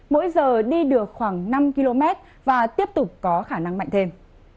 mỗi giờ đi được khoảng năm km và tiếp tục có khả năng mạnh thêm